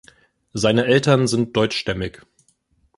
Seine Eltern sind deutschstämmig.